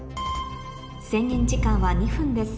制限時間は２分です